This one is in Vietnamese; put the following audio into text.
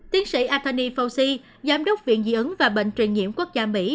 tiến sĩ athani fauci giám đốc viện diễn ứng và bệnh truyền nhiễm quốc gia mỹ